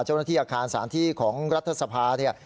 เจ้าหน้าที่อาคารสถานที่ของรัฐสภาเนี่ย